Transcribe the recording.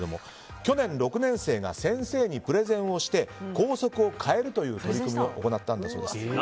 去年、６年生が先生にプレゼンをして校則を変えるという取り組みを行ったそうです。